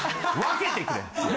分けてくれ。